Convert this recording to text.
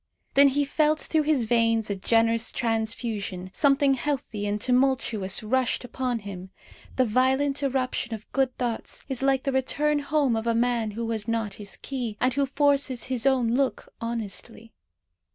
Then he felt through his veins a generous transfusion. Something healthy and tumultuous rushed upon him. The violent irruption of good thoughts is like the return home of a man who has not his key, and who forces his own look honestly.